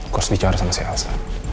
kok sedicara sama si elsa